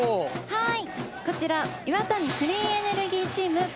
はい。